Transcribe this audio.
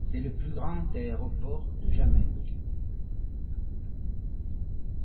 C'est le plus grand aéroport de Jamaïque.